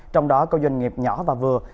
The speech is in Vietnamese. trong đó có doanh nghiệp nhỏ và vừa